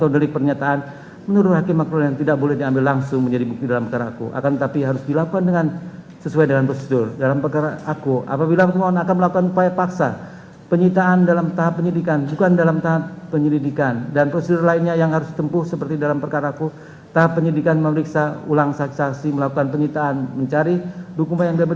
dan memperoleh informasi yang benar jujur tidak diskriminasi tentang kinerja komisi pemberantasan korupsi harus dipertanggungjawab